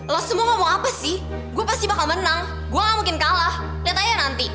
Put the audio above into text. lo semua ngomong apa sih gue pasti bakal menang gue gak mungkin kalah datanya nanti